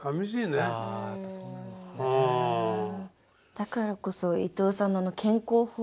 だからこそ伊東さんの健康法？